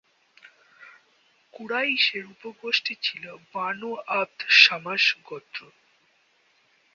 কুরাইশের উপ-গোষ্ঠী ছিলো বানু আব্দ-শামস গোত্র।